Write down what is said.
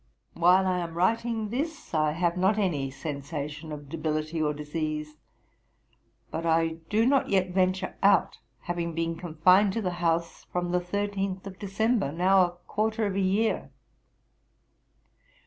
While I am writing this, I have not any sensation of debility or disease. But I do not yet venture out, having been confined to the house from the thirteenth of December, now a quarter of a year.